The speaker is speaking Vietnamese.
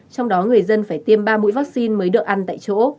trong đó người dân phải tiêm ba mũi vaccine mới được ăn tại chỗ